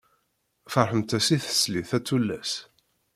Ferḥemt-as i teslit, a tullas!